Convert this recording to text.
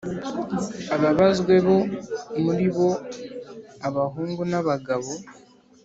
Ababazwe bo muri bo abahungu n abagabo